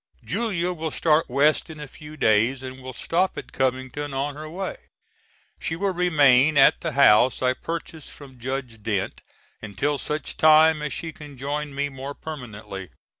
Julia will start West in a few days and will stop at Covington on her way. She will remain at the house I purchased from Judge Dent until such time as she can join me more permanently.